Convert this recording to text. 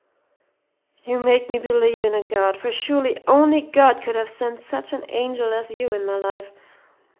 "You make me believe in a God, for surely only God could have sent such an angel as you into my life....